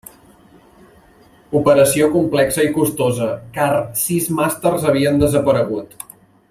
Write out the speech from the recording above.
Operació complexa i costosa, car sis màsters havien desaparegut.